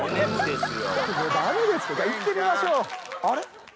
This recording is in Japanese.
あれ？